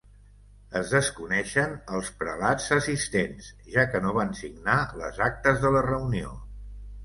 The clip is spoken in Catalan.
Es desconeixen els prelats assistents, ja que no van signar les actes de la reunió.